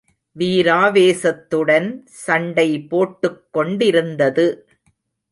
வீராவேசத்துடன் சண்டை போட்டுக் கொண்டிருந்தது.